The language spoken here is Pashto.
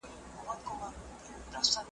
موږ یو پیاوړی لوبغاړی یو.